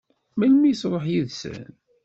Melmi i tṛuḥ yid-sen?